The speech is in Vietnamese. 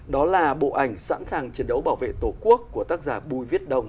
đó là bộ ảnh sẵn sàng chiến đấu bảo vệ tổ quốc của tác giả bùi viết đồng